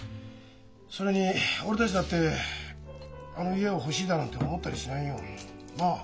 それに俺たちだってあの家を欲しいだなんて思ったりしないよ。なあ？